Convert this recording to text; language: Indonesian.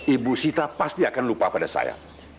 ibu sita pasti akan lupa pada saya